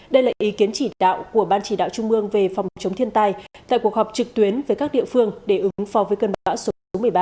đây là ý kiến chỉ đạo của ban chỉ đạo trung ương về phòng chống thiên tai tại cuộc họp trực tuyến với các địa phương để ứng phó với cơn bão số một mươi ba